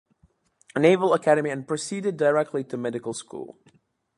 Naval Academy and proceeded directly to medical school.